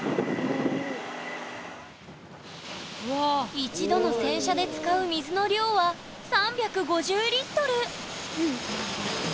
１度の洗車で使う水の量は３５０リットル！